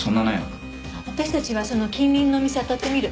私たちはその近隣のお店あたってみる。